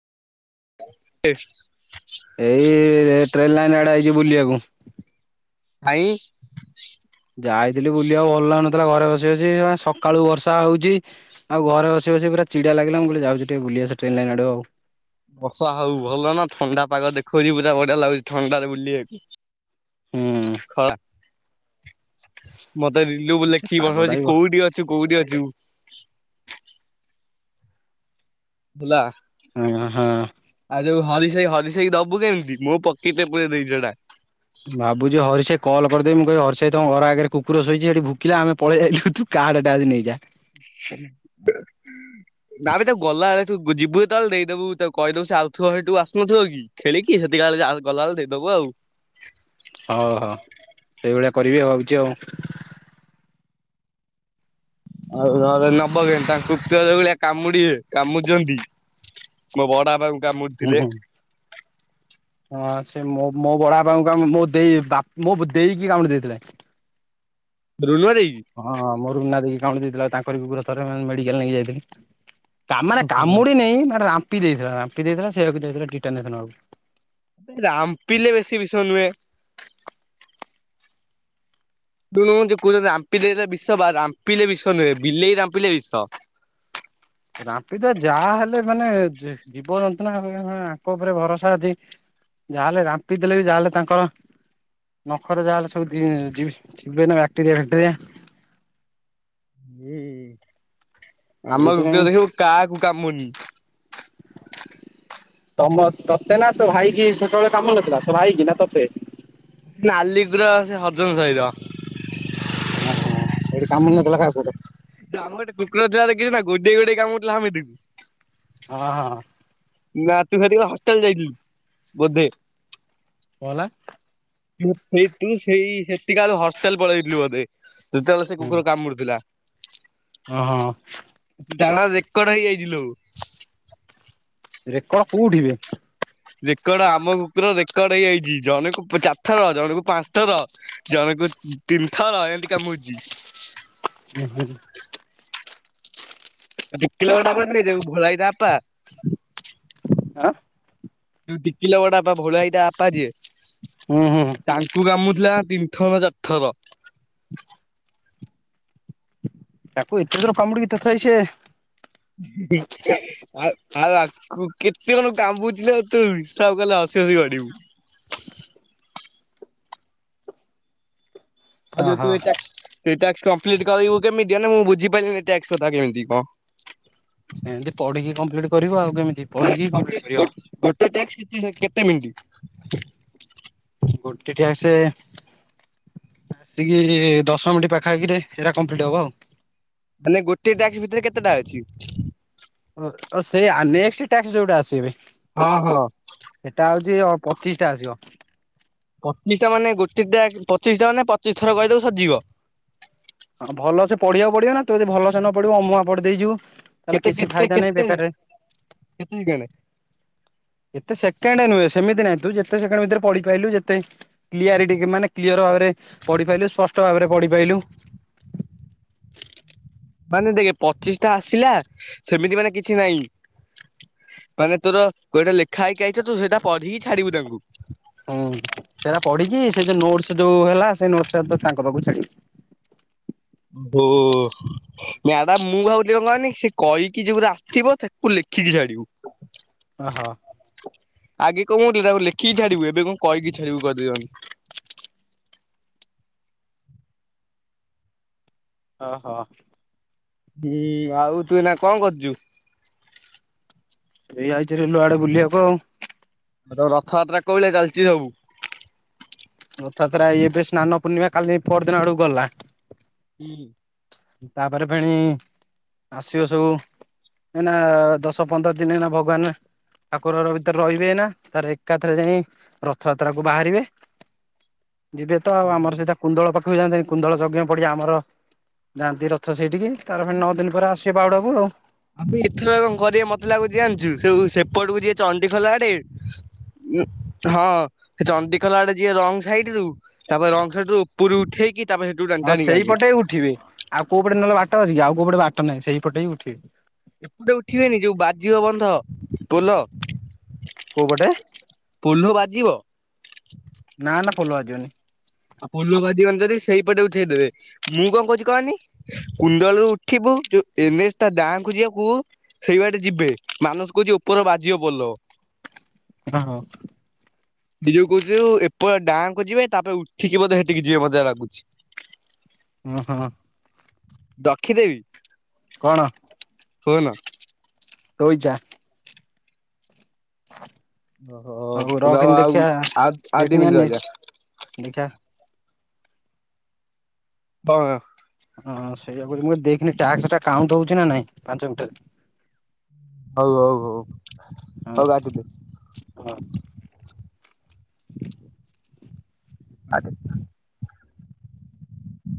ଏଇ train line ଆଡେ ଆଇଛି ବୁଲିବାକୁ। ଭାଇ। ଯାଇଥିଲି ବୁଲିବାକୁ ଭଲ ଲାଗୁନଥିଲା ଘରେ ବସି ବସି ସକାଳୁ ବର୍ଷା ହଉଛି ଆଉ ଘରେ ବସି ବସି ଚିଡ଼ା ଲାଗିଲା ମୁଁ କହିଲି ଯାଉଛି ଟିକେ ବୁଲି ଆସେ ଟ୍ରେନ ଲାଇନ ଆଡେ ଆଉ। ବର୍ଷା ହଉ ଭଲ ନା ଥଣ୍ଡା ପାଗ ଦେଖଉଛି ପୁରା ବଢିଆ ଲାଗୁଛି ଥଣ୍ଡାରେ ବୁଲିବାକୁ। [inaudible] [inaudible] ମତେ ରିଲୁ ସେ ଲେଖି ପାଗଟା ବି ପଠୋଉଛି ହଁ କୋଉଠି ଅଛୁ କୋଉଠି ଅଛୁ? ବୁଲା ହଁ ହଁ। ସେଇ ହରି ସେଇ ଦବୁ କେମିତି ମୁଁ ପକେଟରେ ପୁରେ ଦେଇଚି ସେଟା। ଭାବୁଚି ହରିଶ ଭାଇ କଲ୍ ମୁଁ କହିଦେବି ହରି ସହିତ ତମ ଘର ଆଗରେ କୁକୁର ଶୋଇଛି ସେଠି ଭୁକିଲା ଆମେ ପଳେଆଇଲୁ ତୁ କାର୍ଡ ଆସି ନେଇଯା। ନା ବେ ତାକୁ ଗଲା ବେଳେ ତୁ ଯିବୁ ଯେତେବେଳେ ଦେଇଦେବୁ ତାକୁ କହିଦବୁ ଯାଉଥିବ ସେଠୁ ଆସୁନଥିବ କି ଖେଳିକି ସେତିକିବେଳେ ଗଲାବେଳେ ଦେଇଦବୁ ଆଉ। ହଉ ହଉ ସେଇଭଳିଆ କରିବି ଭାବୁଛି ଆଉ। ଆଉ ନବ କେମିତି ତାଙ୍କ କୁକୁର ଯୋଉ ଭଳିଆ କାମୁଡିିବେ କାମୁଡ଼ି ଦିଅନ୍ତି। ମୋ ବଡ ବାପା କୁ ହୁଁ ହୁଁ ହଁ ସେ ମୋ ମୋ ବଡ ବାପାଙ୍କୁ କାମୁ ମୋ ଦେଇ ବାପ ମୋ ଦେଇକି କାମୁଡି ଦେଇଥିଲା। ରୁନୁ ଭାଇ ହଁ ମୋ ରୁନା ଦେଇକି କାମୁଡି ଦେଇଥିଲା ତାଙ୍କରି କୁକୁର ଥରେ ମେଡିକାଲ ନେଇକି ଯାଇଥିଲି। ମାନେ କାମୁଡିନି ମାନେ ରାମ୍ପି ଦେଇଥିଲା ରାମ୍ପି ଦେଇଥିଲା ସେୟାକୁ ଯାଇଥିଲା ଟିଟନାଶ ନବାକୁ ରାମ୍ପିଲେ ବେଶୀ ବିଷ ନୁହେଁ। ଦେଖୁନୁ ମତେ କୋହୁଚନ୍ତି ରାମ୍ପି ଦେଲେ ବିଷ ବା ରାମ୍ପିଲେ ବିଷ ନୁହେଁ ବିଲେଇ ରାମ୍ପିଲେ ବିଷ। [inaudible] ରାମ୍ପି ଦେବେ ଯାହା ହେଲେ ମାନେ ଜୀ-ଜୀବ ଜନ୍ତୁ ନା [unintelligible] ତାଙ୍କ ଉପରେ ଭରସା ଅଛି। ଯାହାହେଲେ ରାମ୍ପି ଦେଲେ ବି ଯାହାହେଲେ ତାଙ୍କ ନଖରେ ଯାହା ହେଲେ ସବୁ ଦି ଯି-ଯିବେ ନା ବ୍ୟାକ୍ଟେରିଆ ଫ୍ୟାକ୍ଟେରିଆ। ଜି ଆମ ସେଇଥିପାଇଁ କୁକୁର ଦେଖିବୁ କାହାକୁ କାମୁଡିନି। ତମ ତତେ ନା ତୋ ଭାଇ କିି ସେତେବେଳେ କାମୁଡି ନଥିଲା ତୋ ଭାଇ କି ନା ତତେ? ସେ ନାଲି ପୂର ସେ ହରିଜନ ସାହିର ଓହୋ ସେଇଠି କାମୁଡ଼ି ନଥିଲା କାହାକୁ ଗୋଟେ ଆମର ଗୋଟେ କୁକୁର ଥିଲା ଦେଖିଚି ନା ଗୋଡେଇ ଗୋଡେଇ କାମଡୁଥିଲା ସମସ୍ତିକୁ। ହଁ ଅ। ନାଁ ତୁ ସେତିକି ବୋଳେ ହଷ୍ଟେଲ ଯାଇଥିଲୁ ବୋଧେ? କଣ ହେଲା? [unintelligible] ସେଇ ତୁ ସେଇ ସେତିକା ବେଳକୁ ହଷ୍ଟେଲ ପଳେଇଥିଲୁ ବୋଧେ। ଯେତେବେଳେ ସେ ହୁଁ କୁକୁର କାମୁଡୁଥିଲା। ଓହୋ ତାର ରେକର୍ଡ ହେଇଯାଇଚିଲୋ। ରେକର୍ଡ କୋଉଠି ବେ? ରେକର୍ଡ ଆମ କୁକୁର ରେକର୍ଡ ହେଇଯାଇଚି ଜଣୁକୁ ଚାରି ଥର ଜଣକୁ ପାଞ୍ଚ ଥର ଜଣକୁ ତିନିଥର ଏମିତି କାମୁଡିଚି। ଉଁ ହୁଁ। [unintelligible] ଯୋଉ ଭୋଳା ଭାଇ ତା ବାପା। ଆଁ। ଯୋଉ ଟିକିଲା ବଡବାପା ଭୋଳା ଭାଇ ତା ବାପା ଯିଏ ହୁଁ ହୁଁ ତାଙ୍କୁ କାମୁଡିଥିଲା ଟି ଥର ଚାରିଥର ତାକୁ ଏତେ ଥର କାମୁଡିକି ତଥାପି ସିଏ [unintelligible] ଆଉ ଆକୁ କେତେ ଜଣଙ୍କୁ କାମୁଥିଲ ତୁ ହିସାବ କଲେ ହସି ହସି ଗଡିବୁ। [inaudible] ଆଉ ଯୋଉ ଓହୋ ତୁ ଏଟା ସେଇ ଟାକ୍ସ କମ୍ପଲିଟି କରିବୁ କେମିତି ମାନେ ମୁଁ ବୁଝିପାରିଲିନି ଟ୍ୟାକ୍ସ କଥା କେମିତି କଣ? ସେମତି ପଢିକି କମ୍ପ୍ଲିଟ କରିବୁ ଆଉ କେମିତି ପଢିକି ଗୋଟେ କମ୍ପଲିଟି କରି ହବ। ଗୋଟେ ଟାକ୍ସ କେତେ କେତେ ମିନିଟ୍? ଗୋଟେ ଟ୍ୟାକ୍ସ ଆସିକି ଦଶ ମିନିଟ ପାଖାପାଖି ରେ ଏରା କମ୍ପ୍ଲିଟ ହବ ଆଉ। ମାନେ ଗୋଟେ ଟ୍ୟାକ୍ସ ଭିତରେ କେତେଟା ଅଛି? ଓ ଓ ସେଇଆ ନେକ୍ସଟ ଟ୍ୟାକ୍ସ ଯୋଉଟା ଆସିବି ହଁ ହଁ। ଏଟା ହୋଉଚି ଅ ପଚିଶି ଟା ଆସିବ। ପଚିଶ ଟା ମାନେ ଗୋଟେ ଟ୍ୟା ପଚିଶି ଟା ମାନେ ପଚିଶି ଥର କହିଦବୁ ସରିଯିବ। ହଁ ଭଲ ସେ ପଢିବାକୁ ପଡିବ ନା ତୁ ଯଦି ଭଲସେ ନ ପଢିବୁ ଅମୁହାଁ ପଢି ଦେଇ ଯିବୁ ତାହେଲେ କେତେ କିଛି କେତେ ଫାଇଦା ନାହିଁ କେତେ ବେକାର ଟାରେ କେତେ ସେକେଣ୍ଡ? ଏତେ ସେକେଣ୍ଡ ନୁହେଁ ସେମିତି ନାଇ ତୁ ଯେତେ ସେକେଣ୍ଡ ଭିତରେ ପଢି ପାଇଲୁ ଯେତେ କ୍ଲିଅରିଟି ମାନେ କ୍ଲିୟର ଭାବେ ରେ ପଢିପାଇଲୁ ସ୍ପଷ୍ଟ ଭାବରେ ପଢି ପାଇଲୁ। ମାନେ ଦେଖ ପଚିଶି ଟା ଆସିଲା ସେମିତି ମାନେ କିଛି ନାଇଁ। ମାନେ ତୋର କୋଉଟା ଲେଖା ହେଇକି ଆଇଥିଚି ତୁ ସେଇଟା ପଢିକି ଛାଡିବୁ ତାଙ୍କୁ। ହୁଁ ସେଟା ପଢିକି ସେ ଯୋଉ ନୋଟସ୍ ଯୋଉ ହେଲା ସେ ନୋଟସ୍ ତାଙ୍କ ପାଖକୁ ଛାଡିବୁ। [inaudible] ନାଁବା ମୁଁ ଭାବୁଥିଲି କଣ କହନି ସେ କହିକି ଯୋଉରା ଆସିଥିବ ତାକୁ ଲେଖିକି ଛାଡିବୁ। ଅ ହ। ଆଗେ କଣ ଗୋଟେ ଲେଖିକି ଛାଡିବୁ ଏବେ କଣ କହିକି ଛାଡିବୁ କରିଦେଇଛନ୍ତି। [inaudible] ଅ ହ। ବି ଆଉ ତୁ ନା କଣ କରୁଚୁ? ଏଇ ଆାଇଚି ବିଲଆଡେ ବୁଲିବାକୁ ଆଉ। ରଥଯାତ୍ରା କୋଉଭଳିଆ ଚାଲିଛି ସବୁ? ରଥଜାତ୍ରା ଏବେ ସ୍ନାନ ପୂର୍ଣ୍ଣିମା କାଲି ପରଦିନ ଆଡ଼କୁ ଗଲା। ହୁଁ। ତାପରେ ଫେଣି ଆସିବ ସବୁ। ଏଇନା ଦଶ ପନ୍ଦର ଦିନ ଏଇନା ଭଗବାନେ- - ଠାକୁରଘର ଭିତରେ ରହିବେ ଏଇନା ତାରେ ଏକାଥରେ ଯାଇ ରଥଯାତ୍ରା କୁ ବାହାରିବେ। [inaudible] ଯିବେ ତ ଆଉ ଆମର ସହିତା କୁନ୍ଦଳ ପାଖକୁ ବି ଯାଆନ୍ତି କୁନ୍ଦଳ ଯଜ୍ଞ ପଡିଆ ଆମର ଯାଆନ୍ତି ରଥ ସେଇଠିକି। ତାରେ ପୁଣି ନଅ ଦିନ ପରେ ଆସିବେ ବାହୁଡାକୁ ଆଉ। ଆମେ ଏଥର କଣ କରିବା ମତେ ଲାଗୁଚି ଜାଣିଚୁ ସବୁ ସେପଟକୁ ଯିବେ ଚଣ୍ଡି ଖୋଲ ଆଡେ। ଉ ହଁ ସେ ଚଣ୍ଡିଖୋଲ ଆଡେ ଯିବେ ରଙ୍ଗ ସାଇଡ ରୁ। ତାପରେ ରଂଗ ସାଇଡରୁ ଉପରୁ ଉଠେଇକି ତାପରେ ହେଠୁ ଟାଣି ହଁ ଟାଣିକି ସେଇପଟେ ଉଠିବେ। ଆଣିବେ। ଆଉ କୋଉ ପଟେ ନହେଲେ ବାଟ ଅଛି ଆଉକଉ ପଟେ ବାଟ ନାହିଁ ସେଇପଟ ବି ଉଠିବେ। ଏପଟେ ଉଠିବେନି ଯୋଉ ବାଜିବ ବନ୍ଧ ପୋଲ। କୋଉ ପଟେ ପୋହ୍ଲ ବାଜିବ। ନା ନା ପୋଲ ବାଯିବନି। ଆଉ ପୋଲ ବାଜିବନି ଜଦି ସେଇପଟେ ଉଠେଇଦେବେ ମୁଁ କଣ କହୁଚି କହନି। କୁଣ୍ଡଳୁ ଉଠିବୁ ଯୋଉ ଏନଏଚ ଟା ଡାଙ୍କୁ ଯିବାକୁ ସେଇ ବାଟେ ଯିବେ ମାନସ କହୁଛି ଉପର ବାଜିିବ ପୋଲ। ଆ ହଁ। ଦି ଯଉ କହୁଚୁ ଏପ ଡାଁହାକୁ ଯିବେ ତାପରେ ଉଠିକି ବୋଧେ ହେଠିକି ଯିବେ ମତେ ଜାହା ଲାଗୁଚି। ଅ ହ। ରକ୍ଷି ଦେବୀ। କଣ। ହଉ ହେଲା। ରଇ ଯା। ହ। ଓହୋ [inaudible] ହଉ ରହ ରଖନି ଆଉ ଦେଖିଆ ଆଉ ଆଉ ଦି ଦେଖିନି ଆ ମିନିଟ୍ ରହିଯା ଦେଖିବା। ହ। [inaudible] ହଁ ସେଇଆ କହୁଚି ମୁଁ ଦେଖେନି ଟ୍ୟାକ୍ସଟା କାଉଣ୍ଟ ହଉଛି ନା ନାଇଁ ପାଞ୍ଚମିନ୍ଟ ରେ। ହଉ ହଉ ହଉ ହଉ ଆଟି ଦେ। । ଆଟେ।